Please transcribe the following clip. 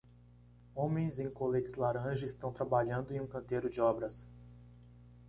Homens em coletes laranja estão trabalhando em um canteiro de obras.